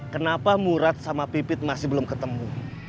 kenapa murad sama pipit masih belum ketemu